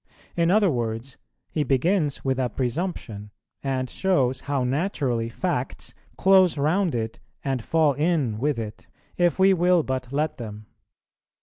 In other words, he begins with a presumption, and shows how naturally facts close round it and fall in with it, if we will but let them.